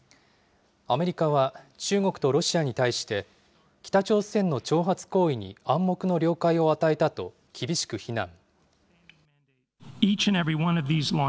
アメリカは中国とロシアに対して、北朝鮮の挑発行為に暗黙の了解を与えたと厳しく非難。